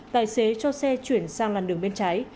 tài xế cho xe chuyển sang làn đường bên trái